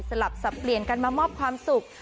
สลับสับเปลี่ยนกันมามอบความสุข